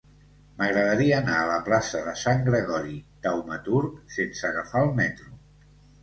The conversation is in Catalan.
M'agradaria anar a la plaça de Sant Gregori Taumaturg sense agafar el metro.